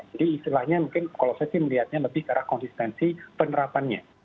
jadi istilahnya mungkin kalau saya sih melihatnya lebih ke arah konsistensi penerapannya